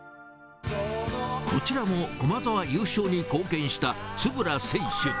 こちらも、駒澤優勝に貢献した円選手。